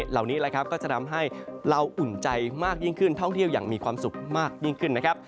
เหล่านี้ก็จะทำให้เราอุ่นใจมากยิ่งขึ้นท่องเที่ยวอย่างมีความสุขมากยิ่งขึ้นนะครับ